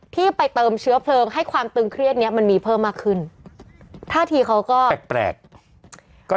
ที่ไปเติมเชื้อเพลิงให้ความตึงเครียดเนี้ยมันมีเพิ่มมากขึ้นท่าทีเขาก็แปลกแปลกก็